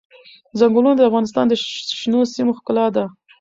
ځنګلونه د افغانستان د شنو سیمو ښکلا ده.